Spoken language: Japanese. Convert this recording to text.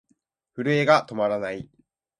震えが止まらない。